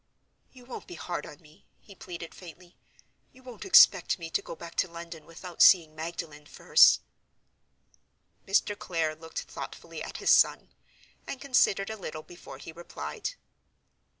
"You won't be hard on me?" he pleaded, faintly. "You won't expect me to go back to London without seeing Magdalen first?" Mr. Clare looked thoughtfully at his son, and considered a little before he replied.